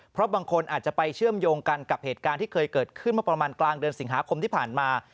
เพราะบางคนอาจจะไปเชื่อมโยงกันกับเหตุการณ์ที่เคยเกิดขึ้นเมื่อประมาณกลางเดือนสิงหาคมที่ผ่านมา